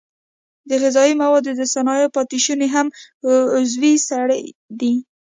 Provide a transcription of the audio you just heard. د غذایي موادو د صنایعو پاتې شونې هم عضوي سرې دي.